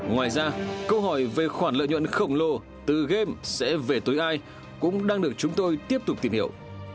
ngoài ra câu hỏi về khoản lợi nhuận khổng lồ từ game sẽ về tối ai cũng đang được chúng tôi tiếp tục tìm hiểu